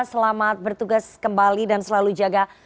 selamat bertugas kembali dan selalu jaga